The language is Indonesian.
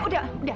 udah satu deh